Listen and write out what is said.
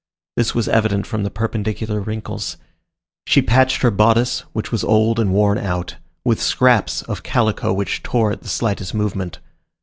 This was evident from the perpendicular wrinkles. She patched her bodice, which was old and worn out, with scraps of calico which tore at the slightest movement.